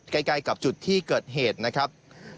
ใกล้กับจุดที่เกิดเหตุนะครับ